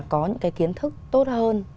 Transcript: có những cái kiến thức tốt hơn